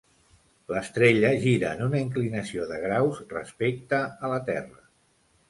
L'estrella gira en una inclinació de graus respecte a la Terra.